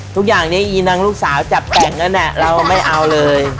ทุกอย่างนี้อีนังลูกสาวจับแต่งกันเราไม่เอาเลย